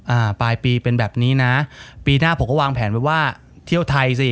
อ่าปลายปีเป็นแบบนี้นะปีหน้าผมก็วางแผนไว้ว่าเที่ยวไทยสิ